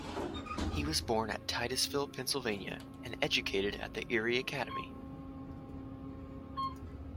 He was born at Titusville, Pennsylvania and educated at the Erie Academy.